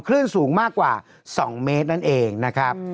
คลื่นสูงมากกว่า๒เมตรนั่นเองนะครับ